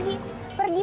kita mau pergi